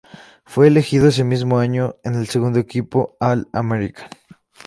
Fue elegido ese mismo año en el segundo equipo All-American.